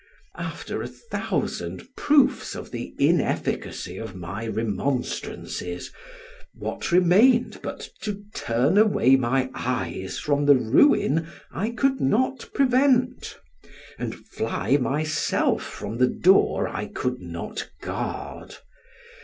After a thousand proofs of the inefficacy of my remonstrances, what remained but to turn away my eyes from the ruin I could not prevent; and fly myself from the door I could not guard!